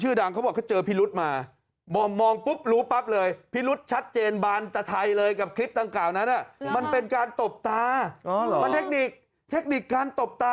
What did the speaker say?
เอาได้ติดเหมือนกันครับ